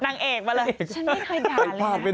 นางเอกมาเลย